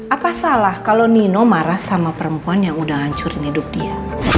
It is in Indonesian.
apa salah kalau nino marah sama perempuan yang udah hancurin hidup dia